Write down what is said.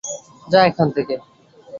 যা এখান থেকে!